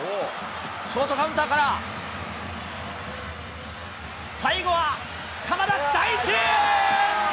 ショートカウンターから、最後は鎌田大地。